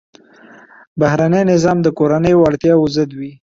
بهرنی نظام د کورنیو اړتیاوو ضد وي.